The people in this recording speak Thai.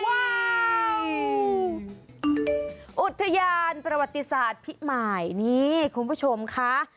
อุทยานประวัติศาสตร์พิมายนี่คุณผู้ชมค่ะ